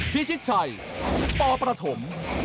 พี่ชิดชัยปอประถม